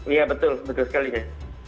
iya betul betul sekali ya